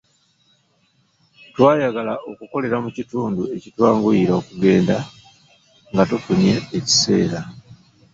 Twayagala okukolera mu kitundu ekitwanguyira okugenda nga tufunye ekiseera.